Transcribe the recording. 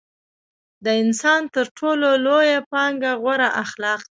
د انسان تر ټولو لويه پانګه غوره اخلاق دي.